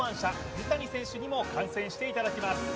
水谷選手にも観戦していただきます